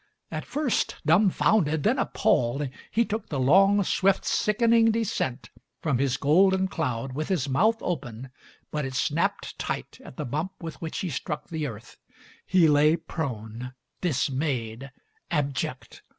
At first dumfounded, then appalled, he took the long, swift, sickening descent from his golden cloud with his mouth open, but it snapped tight at the bump with which he struck the earth. He lay prone, dismayed, abject.